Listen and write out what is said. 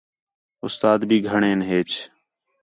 اُستاد بھی گھݨین ہیچ